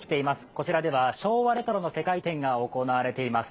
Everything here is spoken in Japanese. こちらでは昭和レトロな世界展が行われています。